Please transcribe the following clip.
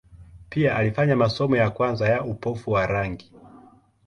Pia alifanya masomo ya kwanza ya upofu wa rangi.